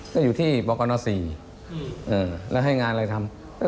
ก็อยู่ที่บกน๔แล้วให้งานอะไรทำ